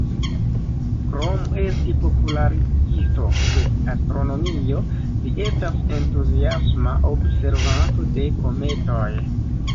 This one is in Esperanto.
Krom esti popularigisto de astronomio, li estas entuziasma observanto de kometoj.